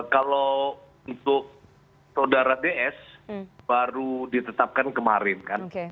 kalau untuk saudara ds baru ditetapkan kemarin kan